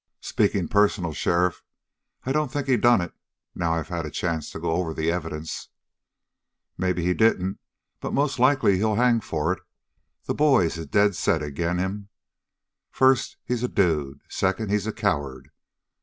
"Speaking personal, sheriff, I don't think he done it, now I've had a chance to go over the evidence." "Maybe he didn't, but most like he'll hang for it. The boys is dead set agin' him. First, he's a dude; second, he's a coward.